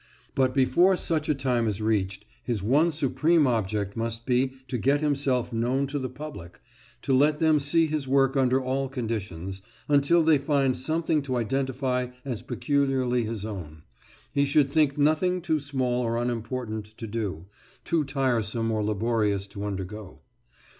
But before such a time is reached his one supreme object must be to get himself known to the public, to let them see his work under all conditions, until they find something to identify as peculiarly his own; he should think nothing too small or unimportant to do, too tiresome or laborious to undergo.